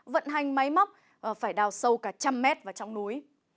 vận hành máy móc phải đào sâu cả trăm mét vào trong núi